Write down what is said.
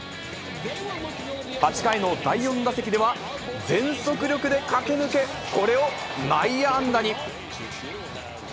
８回の第４打席では、全速力で駆け抜け、これを内野安打に。